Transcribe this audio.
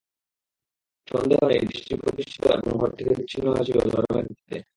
সন্দেহ নেই, দেশটি প্রতিষ্ঠিত এবং ভারত থেকে বিচ্ছিন্ন হয়েছিল ধর্মের ভিত্তিতে।